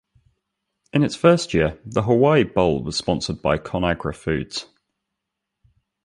In its first year, the Hawaii Bowl was sponsored by ConAgra Foods.